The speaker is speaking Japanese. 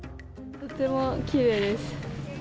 とってもきれいです。